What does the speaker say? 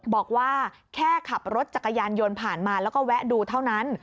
บอกว่าแค่ขับรถจักรยานยนต์ผ่านมาแล้วก็แวะดูเท่านั้น